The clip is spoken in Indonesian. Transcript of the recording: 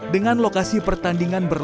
dengan lokasi pertandingan berlaku